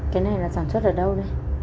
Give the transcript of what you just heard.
cái này là sản xuất ở đâu đây